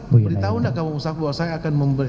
beritahu nggak pak musafak bahwa saya akan